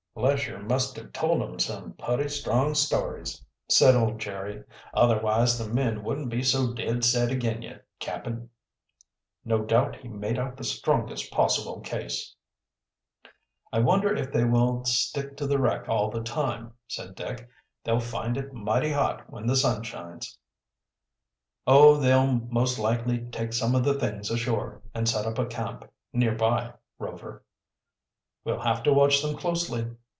"Lesher must have told 'em some putty strong stories," said old Jerry. "Otherwise the men wouldn't be so dead set ag'in ye, cap'n." "No doubt he made out the strongest possible case." "I wonder if they will stick to the wreck all the time," said Dick. "They'll find it mighty hot when the sun shines." "Oh, they'll most likely take some of the things ashore, and set up a camp nearby, Rover." "We'll have to watch them closely."